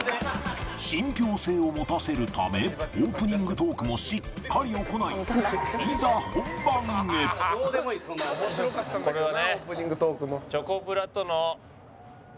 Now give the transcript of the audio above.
信憑性を持たせるためオープニングトークもしっかり行いこれはね